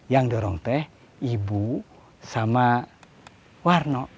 yang dorong teh ibu sama warno